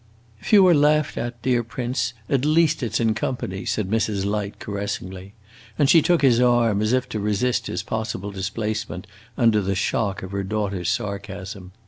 "If you are laughed at, dear prince, at least it 's in company," said Mrs. Light, caressingly; and she took his arm, as if to resist his possible displacement under the shock of her daughter's sarcasm.